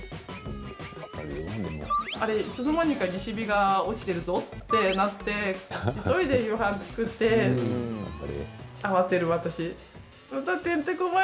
あれ、いつの間にか西日が落ちているぞってなって急いで夕飯、作って慌てる私。